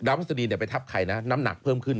ดาวน์พระศรีเดี๋ยวไปทับใครนะน้ำหนักเพิ่มขึ้น